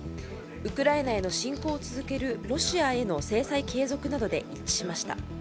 ウクライナへの侵攻を続けるロシアへの制裁継続などで一致しました。